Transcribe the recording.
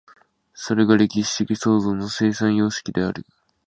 それが歴史的創造の生産様式である。